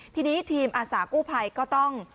ทีนี้ทีมอาสากู้ภัยก็ต้อง